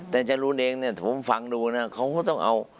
แต่จรูนเองเนี่ยผมฟังดูนะเขาก็ต้องเอา